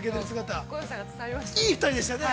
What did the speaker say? いい２人でしたね。